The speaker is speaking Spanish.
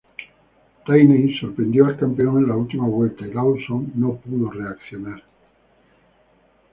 Rainey sorprendió al campeón en la última vuelta y Lawson no pudo reaccionar.